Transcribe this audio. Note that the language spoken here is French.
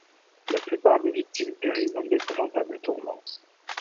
La plupart des victimes périssent dans d’épouvantables tourments.